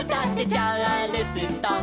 「チャールストン」